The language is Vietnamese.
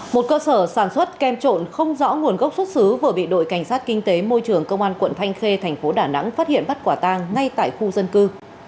một cơ sở sản xuất kem trộn không rõ nguồn gốc xuất xứ vừa bị đội cảnh sát kinh tế môi trường công an quận thanh khê thành phố đà nẵng phát hiện bắt quả tang ngay tại khu dân cư